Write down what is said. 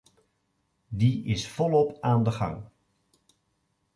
Die is volop aan de gang.